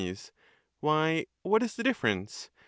Why, what is the difference?